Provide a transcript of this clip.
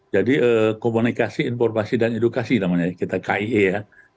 jadi komunikasi informasi dan edukasi namanya ya kita kie ya